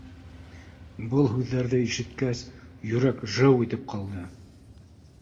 Был һүҙҙәрҙе ишеткәс, йөрәк жыу итеп ҡалды.